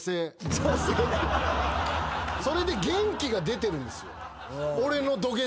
それで元気が出てるんですよ。